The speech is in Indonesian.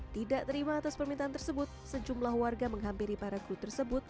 tidak terima atas permintaan tersebut sejumlah warga menghampiri para kru tersebut